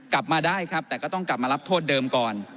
กลับมาได้ครับแต่ก็ต้องกลับมารับโทษเดิมก่อน